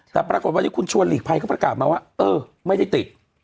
แต่ปรากฏวันนี้คุณชวนหลีกภัยเขาประกาศมาว่าเออไม่ได้ติด